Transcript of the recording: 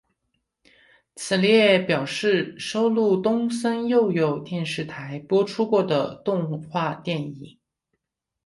此列表示收录东森幼幼台播出过的动画电影。